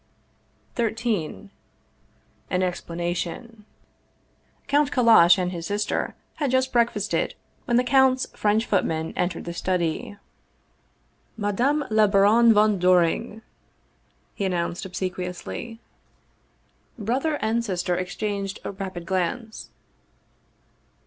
XIII AN EXPLANATION COUNT KALLASH and his sister had just breakfasted when the count's French footman entered the study. " Madame la baronne von Doring !" he announced obse quiously. 221 Russian Mystery Stories Brother and sister exchanged a rapid glance.